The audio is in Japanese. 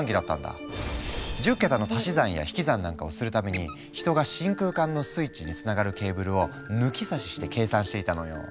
１０桁の足し算や引き算なんかをするために人が真空管のスイッチにつながるケーブルを抜き差しして計算していたのよ。